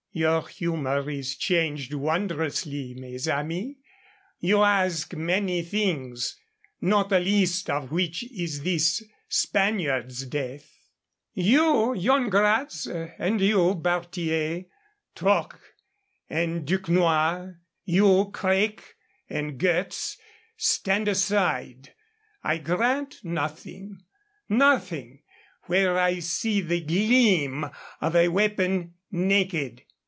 "Your humor is changed wondrously, mes amis. You ask many things, not the least of which is this Spaniard's death. You, Yan Gratz, and you, Barthier, Troc, and Duquesnoy, you, Craik and Goetz, stand aside. I grant nothing nothing where I see the gleam of a weapon naked.